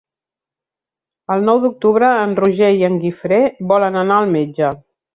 El nou d'octubre en Roger i en Guifré volen anar al metge.